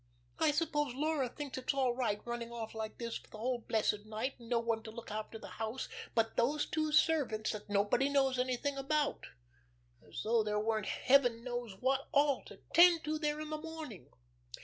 "I suppose Laura thinks it's all right, running off like this for the whole blessed night, and no one to look after the house but those two servants that nobody knows anything about. As though there weren't heaven knows what all to tend to there in the morning.